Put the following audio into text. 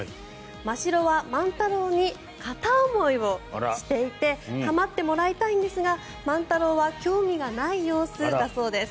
ましろはマンタローに片思いをしていて構ってもらいたいんですがマンタローは興味がない様子だそうです。